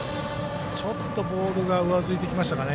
ちょっと、ボールが上ずってきましたかね。